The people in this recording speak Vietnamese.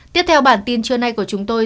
tiếp theo bản tin trưa nay của chúng tôi